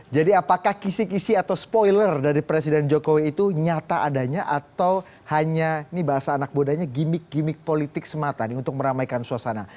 jadi apakah kisi kisi atau spoiler dari presiden jokowi itu nyata adanya atau hanya ini bahasa anak bodanya gimik gimik politik semata untuk meramaikan suasana